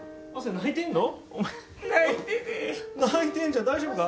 泣いてんじゃん大丈夫か？